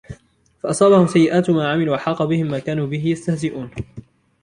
فأصابهم سيئات ما عملوا وحاق بهم ما كانوا به يستهزئون